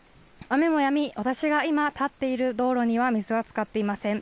雨もやみ私が今立っている道路には水はつかっていません。